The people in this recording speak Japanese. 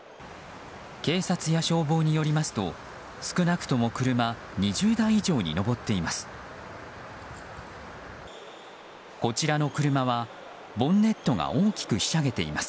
警察や消防によりますと少なくとも、車２０台以上に上っています。